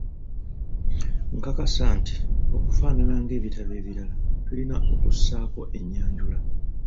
Nkakasa nti okufaanana ng'ebitabo ebirala tulina okusaako ennyanjula.